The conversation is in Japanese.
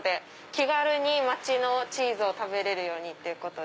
「気軽に街のチーズを食べれるように」ということで。